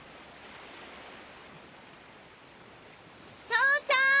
投ちゃん！